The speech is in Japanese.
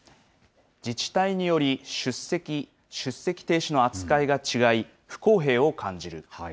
自治体により、出席・出席停止の扱いが違い、不公平を感じる。